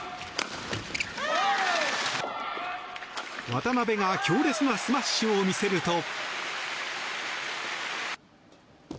渡辺が強烈なスマッシュを見せると。